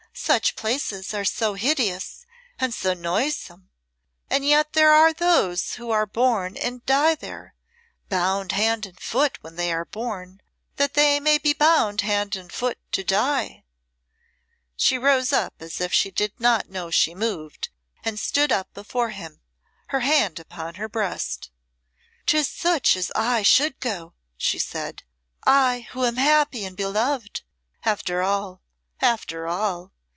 Such places are so hideous and so noisome, and yet there are those who are born and die there, bound hand and foot when they are born, that they may be bound hand and foot to die!" She rose as if she did not know she moved, and stood up before him, her hand upon her breast. "'Tis such as I should go," she said, "I who am happy and beloved after all after all!